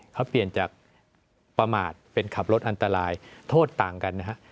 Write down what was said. เขาเปลี่ยนจากประมาทเป็นขับรถอันตรายโทษต่างกันนะฮะ